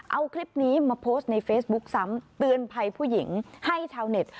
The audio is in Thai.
เอาคลิปนี้มาโพสต์ในเฟซบุ๊กซ้ำเตือนภัยผู้หญิงให้ชาวเน็ต